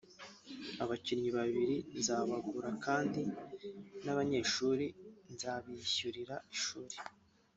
abakinnyi babiri nzabagura kandi n’abanyeshuri nzabishyurira ishuri